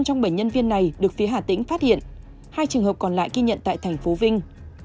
trong bảy nhân viên này được phía hà tĩnh phát hiện hai trường hợp còn lại ghi nhận tại thành phố vinh